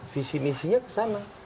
visi misinya kesana